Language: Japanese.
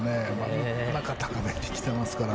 真ん中高めにきていますから。